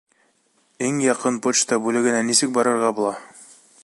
Иң яҡын почта бүлегенә нисек барырға була?